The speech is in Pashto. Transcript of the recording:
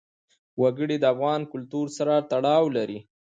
وګړي د افغان کلتور سره تړاو لري.